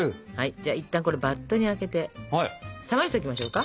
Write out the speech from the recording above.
じゃあいったんこれバットにあけて冷ましておきましょうか。